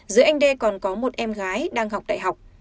giữa anh đê còn có một em gái đang học đại học